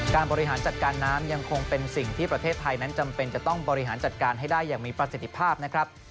บริหารจัดการน้ำยังคงเป็นสิ่งที่ประเทศไทยนั้นจำเป็นจะต้องบริหารจัดการให้ได้อย่างมีประสิทธิภาพนะครับ